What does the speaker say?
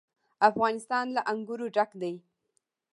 افغانستان له انګور ډک دی.